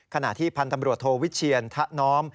ขณะที่พันธ์ตำรวจโทวิเชียนทะน้อม